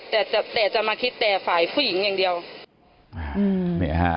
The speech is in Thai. แต่จะแต่จะมาคิดแต่ฝ่ายผู้หญิงอย่างเดียว